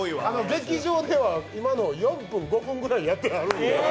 劇場では今の、４分、５分ぐらいやってはるんです。